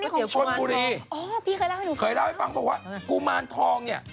เพราะที่ของกุมานพี่เหรอ